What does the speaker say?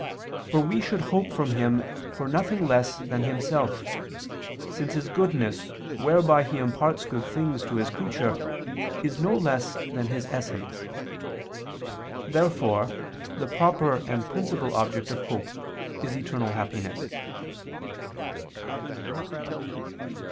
For we should hope from Him for nothing less than Himself, since His goodness, whereby He imparts good things to His creature, is no less than His Essence. Therefore the proper and principal object of hope is eternal happiness.